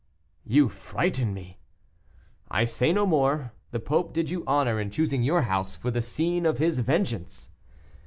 "You frighten me." "I say no more. The Pope did you honor in choosing your house for the scene of his vengeance."